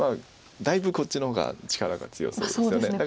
だいぶこっちの方が力が強そうですよね。